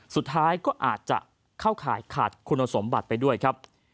สุดท้ายก็อาจจะเข้าข่ายขาดคุณสมบัติไปด้วยครับ